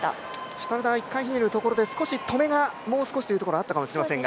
シュタルダー１回ひねりのところで止めがもう少しというところがあったかもしれませんが。